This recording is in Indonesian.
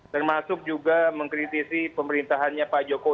termasuk juga mengkritisi pemerintahannya pak jokowi